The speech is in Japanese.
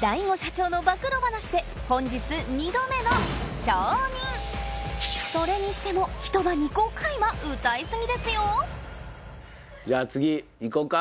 大悟社長の暴露話で本日２度目のそれにしてもひと晩に５回は歌い過ぎですよじゃあ次いこうか。